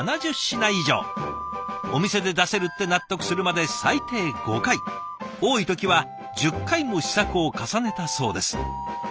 お店で出せるって納得するまで最低５回多い時は１０回も試作を重ねたそうです。